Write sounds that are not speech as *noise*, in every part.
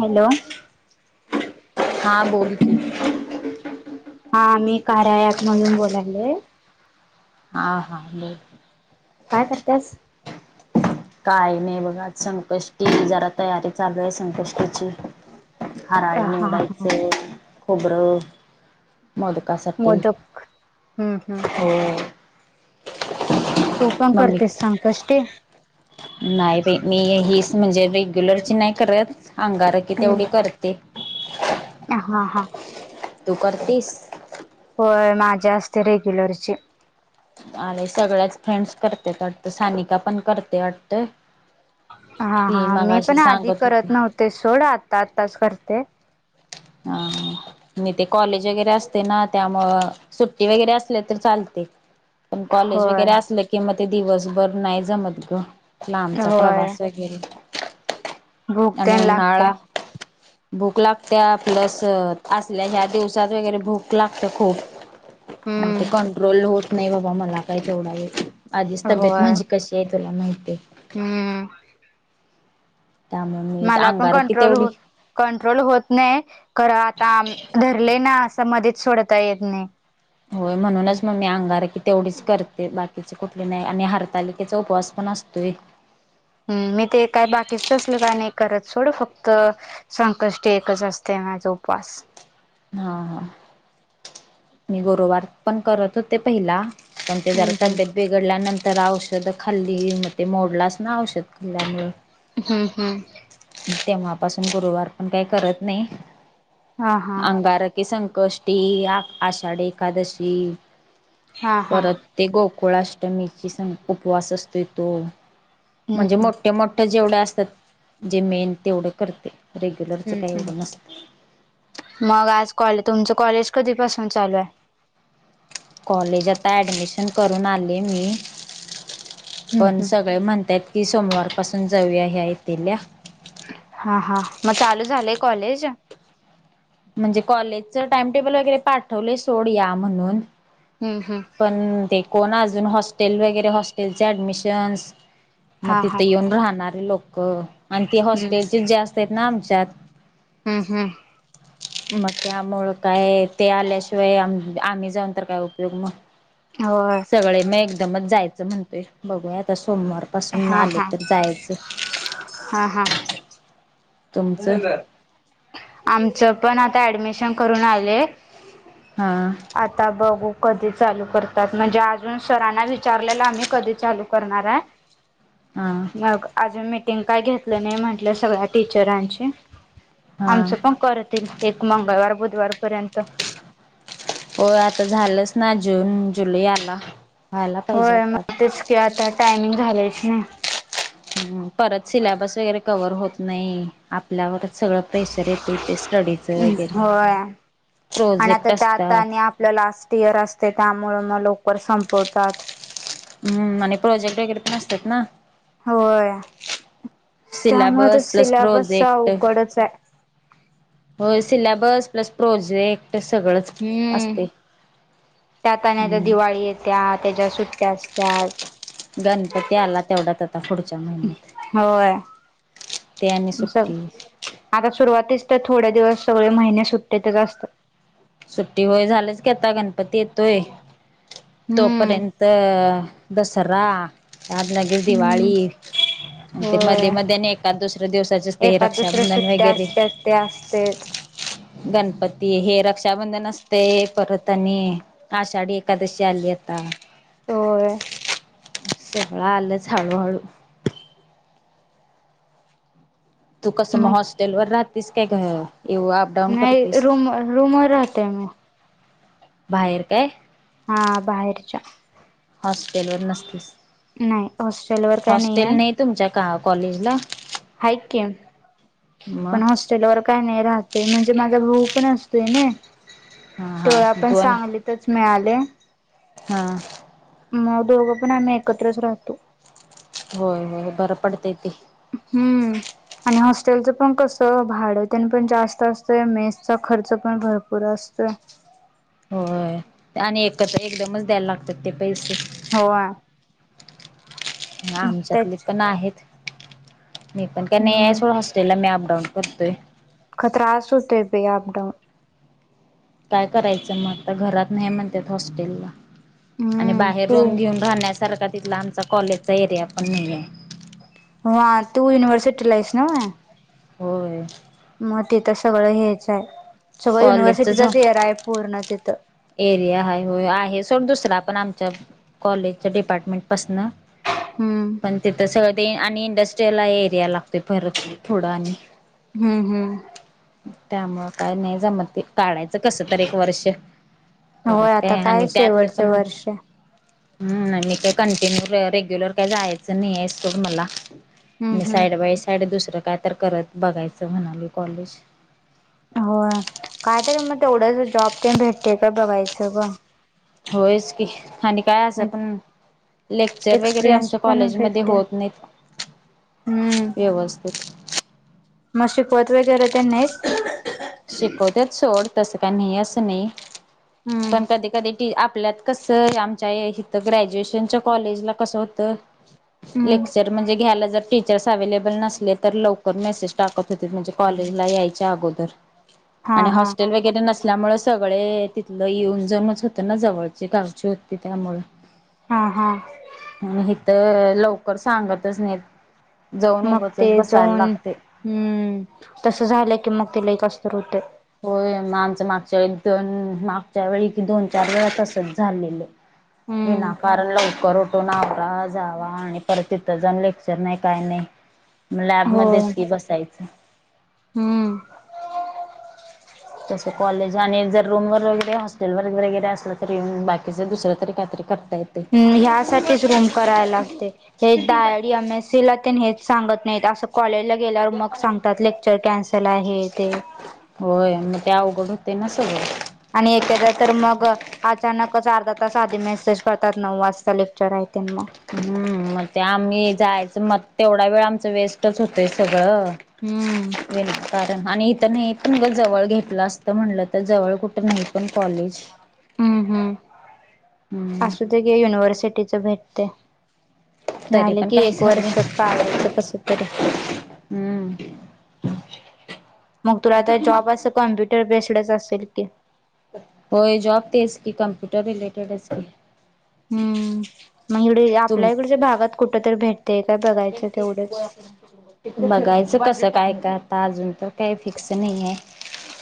Hello? हां बोल, की कार्य अँप मधून बोलाले, हा हा बोल, काय करतेस. कायं नाही बघा संकष्टी जरा, तयारी चालू आहे संकष्टीची. हराळी हा हा निवडायचं खोबरं. मोदकासाठी मोदक हम्म हम्म हो. तु पण मम्मी करतेसं संकष्टी. नाही बाई मी हीच म्हणजे रेग्युलरची नाही करत अंगारकी तेवढी करते. अ हा हा. तु करतीसं, होय माझ्या असते रेग्युलरची अम्ही सगळ्याच फ्रेंड्स करतेत, हा हा ती मी मगाशी पण आधी सांगत होती करत नव्हते, सोड आता आताच करते. अ आणि ते कॉलेज वगैरे असते ना, त्यामुळं सुट्टी वगैरे असल्या तरं चालते. पण कॉलेज होय वगैरे असलं कि मगं ते दिवसभर नाही जमत गं. लांबचा होय प्रवास वगैरे. भूक आणि तेन लागत्या. उन्हाळा भूक लागत्या प्लस असल्या, ह्या दिवसात वगैरे भूक लागते खूप. ते हम्म कंट्रोल होत नाही, बाबा मला काय तेवढां आहे आधीच तब्येत होय माझी कशी आहेत. तुला माहिती आहे. हम्म. त्यामुळे मी मला पण अंगारकी कंट्रोल तेवढी हो कंट्रोल होत नाही खरं, आता धरले ना. मधीच सोडता येत नाही. होयं म्हणूनच मगं मी, अंगारकी तेवढीच करते बाकीचे कुठले नाही आणि हरतालिकेचा उपवास पणं. असतोयं. हम्म मी ते काय बाकीच तसलं कायं नाही, करत सोड फक्त संकष्टी एकच असते. हा तो उपवास. हा ह, मी गरुवार पण करत होते पहिला. पण ते हम्म जरा हम्म. तब्येत बिघडल्यानंतर, तर औषधं खाल्ली मगं ते मोडलाच ना, औषध खाल्ल्यामुळे. हम्म हम्म. हा हा ते हा हा गोष्टी हम्म हम्म. *unintelligible* जेवढं असतात, जे मेन तेवढं करते. रेग्युलरचं हम्म काही हम् एवढं नसतं मगं, आज कॉ तुमचं. कॉलेज कधी पासून चालू आहे! कॉलेज आता ॲडमिशन करून आले मी. हम्म पण हम्म. सगळे म्हणतयत, कि सोमवारपासून जाऊया ह्या, हा हा मगं चालू झालंय कॉलेज? म्हणजे कॉलेजच टाइम टेबल, वगैरे पाठवले सोड या म्हणून. हम्म हम्म पण ते को ना अजून हॉस्टेल वगैरे हॉस्टेलचे ऍडमिशन्स, हा हा हम्म. *unintelligible* हम्म हम्म. मगं त्यामुळं काय ते आल्याशिवाय आम्ही, जाऊन तर कायं उपयोग मगं. होय सगळे मगं एकदमच जायचं, म्हणतोय बघूया आता- सोमवारपासून हा आले हा तरं जायचं. हा हा. *unintelligible* तुमचं आमचं पण आता ॲडमिशन करून आले. हां आता बघू. कधी चालू करतात म्हणजे अजून सरांना विचारलेला आम्ही कधी चालू करणारं आहे. हां मगं आजून मीटिंग काय घेतलं नाही म्हंटलं सगळ्या टीचरांची हां आमचं पण करतील ये एक मंगळवार बुधवार पर्यंत हो आता झालंच ना जून जुलै आला. व्हायला पाहिजे होय मग तेच आतापर्यंत की आता टायमिंग झालेच नाही हम्म परत सिलेबस वगैरे कवर होत नाही आपल्यावर सगळं प्रेशर येत तेे स्टडीच वगैरे होय आणि आता प्रोजेक्ट त्या आता आणि असतात आपलं लास्ट इयर असते त्यामुळे मग लवकर संपवतात. हम् आणि प्रोजेक्ट वगैरे पण असतात ना होय. त्यामुळे तर सिलॅबस प्लस सिलेबस प्रोजेक्ट अवघडच आहे. सिलेबस प्लस प्रोजे हम्म त्यात आणि हम्म दिवाळी येत्या त्याच्या सुट्ट्या असत्या. गणपती आला तेवढाच आता पुढच्या महिन्यात होय ते आणि स सुट्टी आता सुरुवातीच तर थोड्या दिवस सगळे महिने सुट्टतच असतात. सुट्टी होय झालंच की आता गणपती येतोय. हम्म. तोपर्यंत दसरा त्यात लगेच हम्म दिवाळी. ते मध्ये होय. मध्ये आणि एकाद दुसऱ्या दिवसाचेच ते एकाद दुसऱ्या रक्षाबंधन सुट्ट्या वगैरे असत्याच ते *unintelligible* गणपती हेर रक्षाबंधन असते पर्वतनी आषाढी एकादशी आली आता होय. सगळां आलंच हळूहळू तू कसं मग हॉस्टेल वर राहतेस काय घ नाही रूम रूमर राहते मी बाहेर काय. हा बाहेरच्या हॉस्पिटल वर नसतेस. नाही हॉस्टेलवरर काय नाही हॉस्टेल आहे. तुमच्या का कॉलेजला आहे मग पण हॉस्टेलवर काय नाही राहत म्हणजे माझा भाऊ पण असतोय हां तेवढ हां पण सांगलीतच मिळाले. हा. मग दोघं पण आम्ही एकत्रच राहतो. होय होय बरं पडतेय ते हम्म. आणि हॉस्टेलच पण कस भाडं त्यां पण जास्त असत मेसचा खर्च पण भरपूर असतोय. हो आणि एक तर एकदमच द्यायला लागतात ते पैसे हो. आमच्यातले पण आहेत. मी पण का नाही या हम्म सोडं हॉस्टेलला मी अपडाऊन करतोय. खतरा त्रास होतोय बई अपडाऊन. काय करायचं मग आता घरात नाही म्हणतात हॉस्टेलला आणि हम्म बाहेर तू रुम घेऊन राहण्यासारखा तिथला आमचा कॉलेजचा एरिया पण नाही आहे. ह तू युनिवर्सिटीला आहेस ना व्हय होय. तिथं सगळं हेच हाय. कॉलेजच घी तिथं एरिया ह हो आहे सोड दुसरा आपण आम च्या कॉलेज डिपार्टमेंट पासन हम्म पण तिथ सगळ ते आणि इंडस्ट्रीयला एरिया लागते परत थोडं आणि हुं हुं त्यामुळं काय नाही जमत ते काढायचं कसं तरी एक वर्ष होय परत आता काय आणि त्यातलं शेवटचं पण वर्ष हुं आणि काय कंटिन्यू रेग्युलर काय जायचं नाहिय सोड मला. हम्म मी हम्म साईड बाय साईड दुसरं काय तर करत बघायचं म्हणालोय कॉलेज ह व्हय कायतरी मग तेवढंस जॉब तेन भेटतय का बघायचं ग?. होयच की, आणि काय अस पण लेक्चर वगैरे एक्सपिरियन्स आमच्या पण कॉलेजमध्ये भेटते होत नाहीत. हम्म व्यवस्थित मग शिकवत वगैरे तेन नाहीत. शिकवत्यात सोड तस काय नाही? असं नाही हम्म पण कधी कधी, की आपल्यात कसं आमच्या या हित ग्रॅज्युएशनच्या कॉलेजला कसं होतं? हम्म लेक्चर म्हणजे घ्यायला जर टीच टीचर्स अवे्लेबल नसले, तर लवकर मेसेज टाकत होते म्हणजे कॉलेजला यायच्या अगोदर हा आणि हा हॉस्टेल वगैरे नस ल्यामुळे सगळे तिथलं येऊन जाऊनच होतं ना जवळची गावची होती. त्यामुळे हा हा. तर लवकर सांगतच नाहीत. जाऊन मग ते उगचच बसायला जाऊन लागते हुं. तसं झालं की, मग ते लई कसतर हुतय? होय मग आमचं मागच्या वेळी दोन मागच्या वेळी कि दोन चार वेळा तसंच झालेलं. हम्म विनाकारण लवकर उठ. उठून आवरा, जावा आणि परत तिथं जाऊन लेक्चर नाही काय नाही? मग लॅब हो मध्येच कि बसायचं. हम्म तसं कॉलेज आणि जर रूम वर वगैरे हॉस्टेल वर वगैरे असलं, तर येऊन बाकीच दुसरं तरी काहीतरी करता येते ह् ह्यासाठीच रूम कराय लागतय, हे डाय डी एम एस सी ला तेन हेच सांगत नहीत असं कॉलेजला, गेल्यावर मग सांगतात. लेक्चर कॅन्सल आहे ते. होय मग ते अवघड व्हतय ना सगळं आणि एकेककदा तर मग अचानकच, अर्धा तास आधी मेसेज करतात नऊ वाजता लेक्चर हाय. हुं मग ते आम्ही जायचं मग तेवढा वेळ आमच वेस्टच होतोय सग गळं हम्म विणतात. आणि इथ नाही पण ग जवळ घेतलं असतं, म्हटलं तर जवळ कुठं नाही. पण कॉलेज. हुं हू हम्म असू दे घे युनिव्हर्सिटीच भेट तय. तरी झालं पण की काय एक झालं. वर्ष काढायचं कस तरी हम्म मग तुला आता जॉब अस कॉम्प्युटर बेस्डच असेल की? होय जॉब तेच की कप्युटर रिलेटेडच की, हुं मग हिकडं तुम आपल्या इकडच्या भागात कुठ तरी भेटतय काय बघायचं तेवढंच? बघायचं कसं काय काय आता अजून तर, काही फिक्स नाही आहे.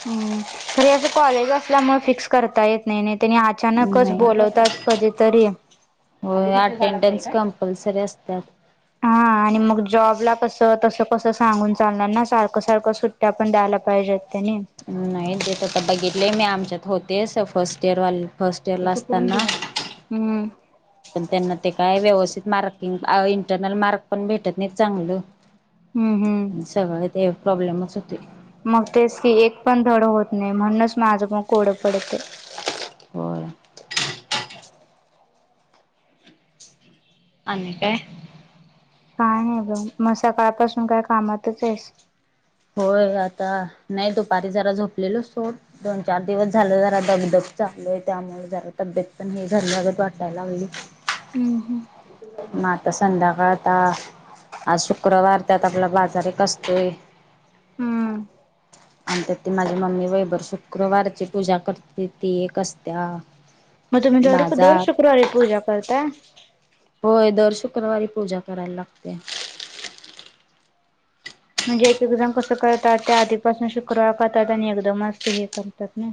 हुं खर हे अस कॉलेज असल्यामुळं, फिक्स करता येत नाही ना. त्यांनी अचानकच नाही बोलवतात कधीतरी? कंपलपलसरी असत्यात हा. आणि मग जॉब ला कस तसं कसं सांगून चालणार ना, सारखं सारखं सुट्ट्या पण द्यायला पाहिजे. नाही तेेच आता बघितलंय, मी आमच्यात होत. ते स फस्ट इयर वाले फस्ट इयरला असताना हुं पण त्यांना ते काय व्यवस्थित मार्किंग इंटरनल मार्क पण भेटत नाहीत चांगल हुं हू त्यो एक प्रॉब्लेमच हुतय. मग तेच की एक पण धड होत नाही म्हणूनच माझं मग कोड पडते. होय. *inaudible* आणि काय? काय नाही ब मग सकाळपासून काय कामातच आहेस. होय आता नाही दुपारी जरा झोपलेल सोट दोन चार दिवस झाल जरा दगदग. चालय त्यामुळे जरा तब्येत पण हे झाल लागत वाटायलागली. हम ह! म आता संध्याकाळ या आज शुक्रवार त्यात आपला बाजार एक असतोय. हम्म! आणि त्या ती माझी मम्मी वैभर शुक्रवारची पूजा करते ती एक असत्या. मग तुम्ही दर दर बाजार शुक्रवारी पूजा करताय? होय दर शुक्रवारी पूजा करायला लागते. म्हणजे एक एकजण कसं करतात त्या आधीपासून शुक्रवार करतात आणि एकदमच ते हे करतात ना.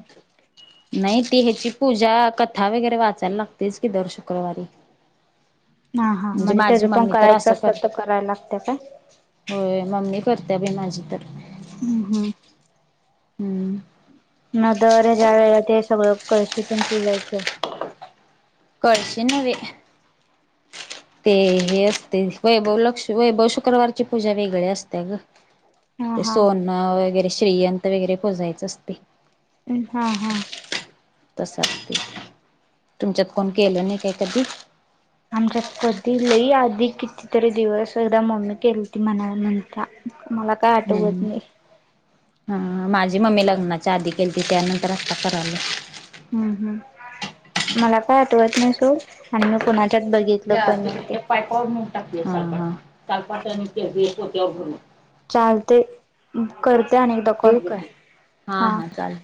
नाही ते ह्याची पूजा कथा वगैरे वाचायला लागतेच कि, दर शुक्रवारी. हा हा म्हणजे माझी त्याच पण मम्मी तर करायचं अस कर. असतात तर करायला लागतं काय? होय मम्मी करते. त्यावे माझी करते. हम्म हम्म हम्म! नद ज्या वेळेला ते सगळ कशीतीन पूजायच. कळशी नव्हे. ते हे असते वैभव लक्ष् वैभव शुक्रवारची पूजा वेगळी असते ग. हा ते हा. सोनं वगैरे श्रेयंत वगैरे पुजायचं असते. हा हा. तस! तुमच्यात फोन केला नाही काय कधी? जगपती लई आधी कितीतरी दिवस एकदा मम्मी केलेती म्हणायला म्हणता. मला काय आठवत हम्म नाही. हा माझी मम्मी लग्नाच्या आधी केलीती. त्यानंतर आता कले. हम्म हम् मला काय आठवत नाही सो. आणि मी कोणा त्या तिकडे पायपावर म्हून टाकले चालपा चालपाेत होतवर भरून. चालतंय करते अनेकदा कॉल ठीक आहे. हा हा चालेल.